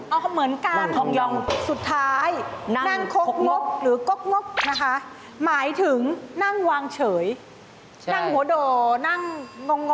ยืนยานไม่เข้าร่างครับ